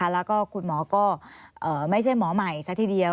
แล้วก็คุณหมอก็ไม่ใช่หมอใหม่ซะทีเดียว